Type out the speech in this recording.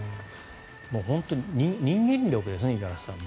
本当に人間力ですね五十嵐さん。